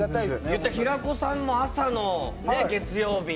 言ったら、平子さんも朝の月曜日。